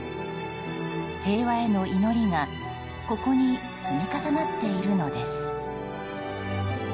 平和への祈りがここに積み重なっているのです。